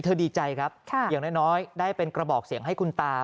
ดีใจครับอย่างน้อยได้เป็นกระบอกเสียงให้คุณตา